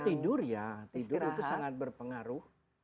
tidur itu sangat berpengaruh